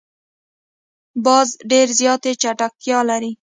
باز ډېر زیاتې چټکتیا لري